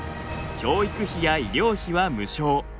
教育費や医療費は無償。